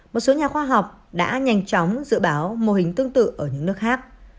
một số nhà khoa học đã nhanh chóng dự báo mô hình tương tự ở những nước khác